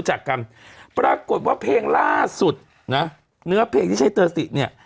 จากกันปรากฏว่าเพลงล่าสุดนะเนื้อเพลงที่ใช้เตอร์สิเนี่ย